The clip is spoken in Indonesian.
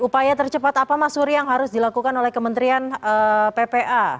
upaya tercepat apa mas suri yang harus dilakukan oleh kementerian ppa